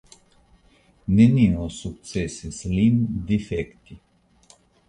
Nenio sukcesis lin difekti.